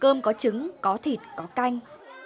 cơm có trứng có thịt có canh